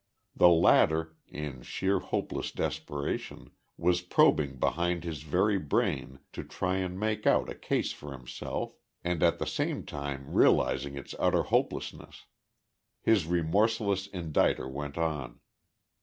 The latter, in sheer hopeless desperation, was probing behind his very brain to try and make out a case for himself, and at the same time realising its utter hopelessness; His remorseless indicter went on.